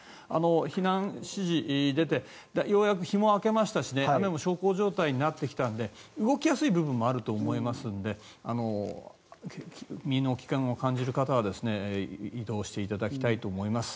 避難指示が出てようやく日も明けましたし雨も小康状態になってきたので動きやすい部分もあると思いますので身の危険を感じる方は移動していただきたいと思います。